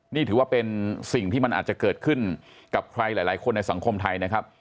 นี่ถือว่าเป็นสิ่งที่มันอาจจะเกิดขึ้นกับใครหลายคนในสังคมไทยนะครับ